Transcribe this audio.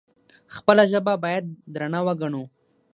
خپله ژبه باید درنه وګڼو.